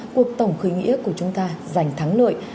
cuộc tổng khởi nghĩa của chúng ta giành thắng lợi